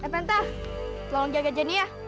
eh penta tolong jaga jenny ya